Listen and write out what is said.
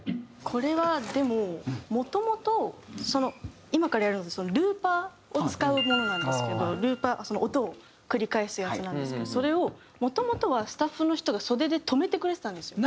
これはでももともと今からやるのがルーパーを使うものなんですけどルーパー音を繰り返すやつなんですけどそれをもともとはスタッフの人が袖で止めてくれてたんですよ。